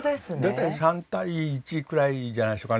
大体３対１くらいじゃないでしょうかね。